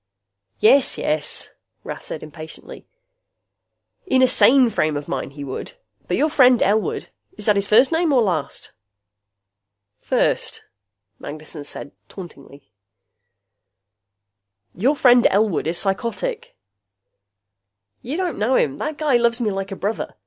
"Yes, yes," Rath said impatiently, "in a sane frame of mind, he would. But your friend Elwood is that his first name or last?" "First," Magnessen said tauntingly. "Your friend Elwood is psychotic." "You don't know him. That guy loves me like a brother.